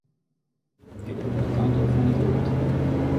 Ik rûn de kant op fan it lûd.